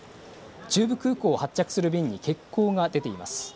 中部空港を発着する便に欠航が出ています。